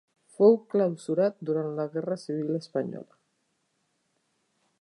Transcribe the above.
Fou clausurat durant la guerra civil espanyola.